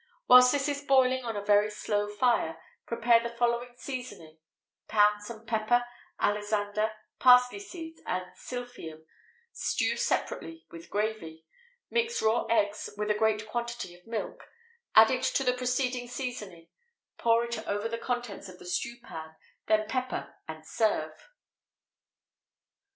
Whilst this is boiling on a very slow fire, prepare the following seasoning: pound some pepper, alisander, parsley seeds, and silphium; stew separately with gravy; mix raw eggs with a great quantity of milk; add it to the preceding seasoning; pour it over the contents of the stewpan, then pepper, and serve.